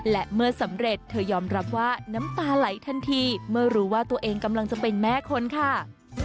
และเมื่อสำเร็จเธอยอมรับว่าน้ำตาไหลทันทีเมื่อรู้ว่าตัวเองกำลังจะเป็นแม่คนค่ะ